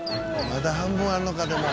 まだ半分あるのかでも。